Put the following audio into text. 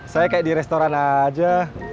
saya kayak di restoran aja